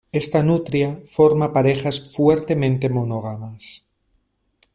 Esta nutria forma parejas fuertemente monógamas.